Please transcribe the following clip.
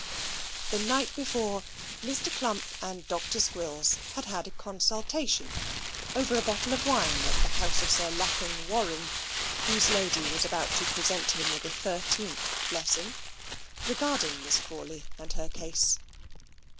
The night before, Mr. Clump and Dr. Squills had had a consultation (over a bottle of wine at the house of Sir Lapin Warren, whose lady was about to present him with a thirteenth blessing), regarding Miss Crawley and her case.